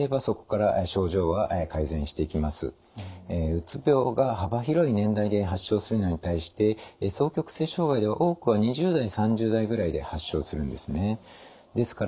うつ病が幅広い年代で発症するのに対して双極性障害では多くは２０代３０代ぐらいで発症するんですね。